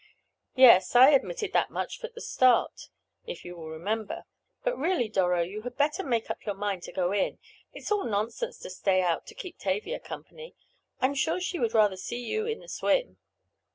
"Yes, I admitted that much at the start, if you will remember. But, really, Doro, you had better make up your mind to go in. It's all nonsense to stay out to keep Tavia company. I'm sure she would rather see you in the swim."